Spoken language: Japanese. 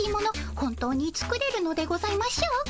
本当に作れるのでございましょうか？